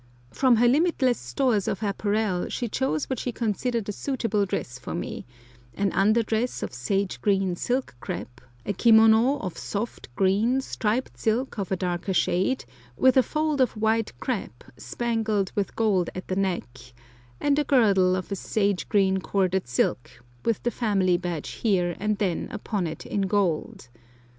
From her limitless stores of apparel she chose what she considered a suitable dress for me—an under dress of sage green silk crêpe, a kimono of soft, green, striped silk of a darker shade, with a fold of white crêpe, spangled with gold at the neck, and a girdle of sage green corded silk, with the family badge here and there upon it in gold.